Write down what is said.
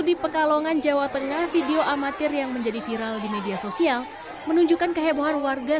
di pekalongan jawa tengah video amatir yang menjadi viral di media sosial menunjukkan kehebohan warga